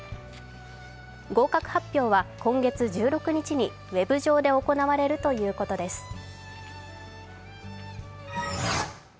合格発表は今月１６日にウェブ上で行われるということです。